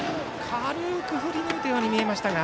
軽く振りぬいたように見えましたが。